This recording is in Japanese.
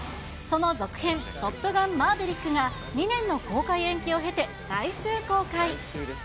その続編、トップガンマーヴェリックが２年の公開延期を経て、来週公開。